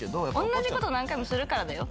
同じこと何回もするからだよ。